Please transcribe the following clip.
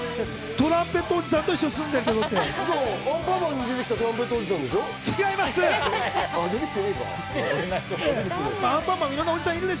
トランペットおじさんと一緒に住んでるってことで。